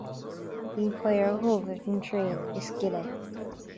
Bíonn caora dhubh ar an tréad is gile